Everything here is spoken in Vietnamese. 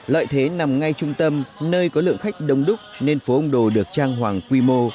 lợi thế nằm ngay trung tâm nơi có lượng khách đông đúc nên phố ông đồ được trang hoàng quy mô